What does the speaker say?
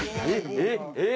えっ！